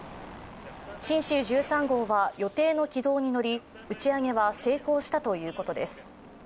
「神舟１３号」は予定の軌道に乗り、打ち上げは成功したということです。